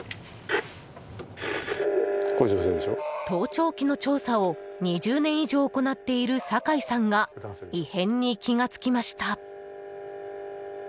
盗聴器の調査を２０年以上行っている酒井さんが異変に気が付きました。